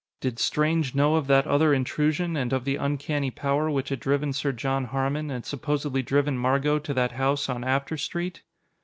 Did Strange know of that other intrusion, and of the uncanny power which had driven Sir John Harmon, and supposedly driven Margot to that house on After Street?